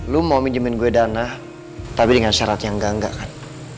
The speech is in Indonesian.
lu mau minjemen gue dana tapi dengan syarat yang enggak enggak kan